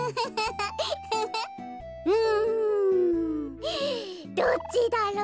うん。どっちだろう。